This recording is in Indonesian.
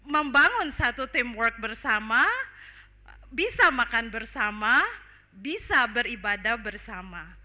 membangun satu teamwork bersama bisa makan bersama bisa beribadah bersama